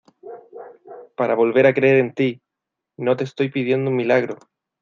para volver a creer en ti. no te estoy pidiendo un milagro,